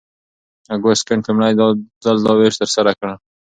اګوست کنت لومړی ځل دا ویش ترسره کړ.